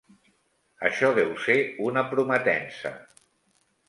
Això deu ser una prometença.